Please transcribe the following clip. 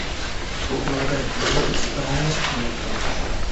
بۇ خىل ئادەت ھازىرغىچە داۋاملىشىپ كەلمەكتە.